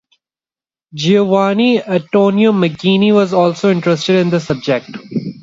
Giovanni Antonio Magini was also interested in the subject.